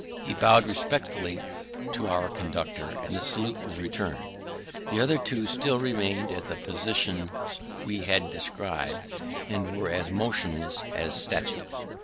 He bowed respectfully to our conductor, and the salute was returned. The other two still remained in the positions we have described, and were as motionless as statues.